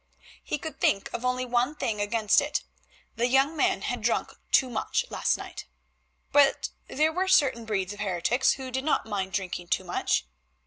He could think of only one thing against it, the young man had drunk too much last night. But there were certain breeds of heretics who did not mind drinking too much.